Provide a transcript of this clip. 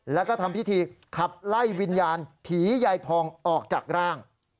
แล้วก็ทำพิธีขับไล่วิญญาณผียายพองออกจากร่าง